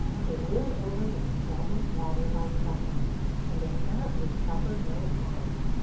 They live over this stagnant water by preference, and apparently suffer no harm.